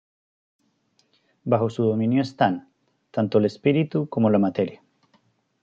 Bajo su dominio están, tanto el espíritu como la materia.